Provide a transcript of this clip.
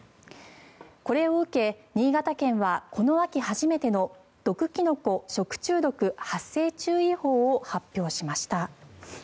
これを受け、新潟県はこの秋初めての毒きのこ食中毒発生注意報を発表しました。